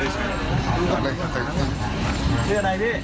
สวัสดีครับสวัสดีครับ